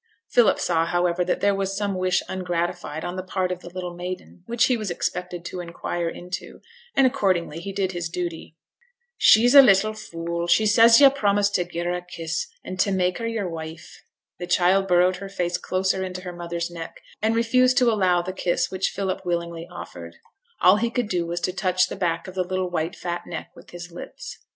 Philip saw, however, that there was some wish ungratified on the part of the little maiden which he was expected to inquire into, and, accordingly, he did his duty. 'She's a little fool; she says yo' promised to gi'e her a kiss, and t' make her yo'r wife.' The child burrowed her face closer into her mother's neck, and refused to allow the kiss which Philip willingly offered. All he could do was to touch the back of the little white fat neck with his lips.